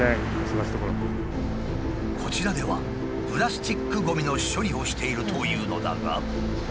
こちらではプラスチックゴミの処理をしているというのだが。